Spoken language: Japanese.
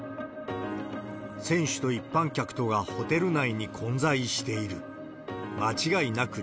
選手と一般客とがホテル内に混在している。